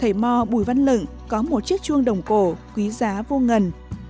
thầy mò bùi văn lựng có một chiếc chuông đồng cổ quý giá vô ngân